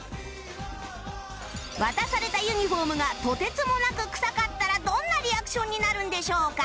渡されたユニフォームがとてつもなくくさかったらどんなリアクションになるんでしょうか？